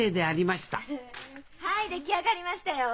はい出来上がりましたよ。